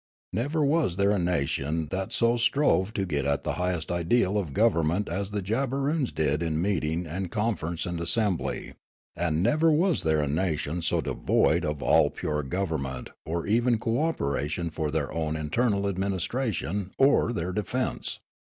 Never was there a nation that so strove to get at the highest ideal of government as the Jabberoons did in meeting and con ference and assembly ; and never was there a nation so devoid of all pure government or even co operation for their own internal administration or their defence.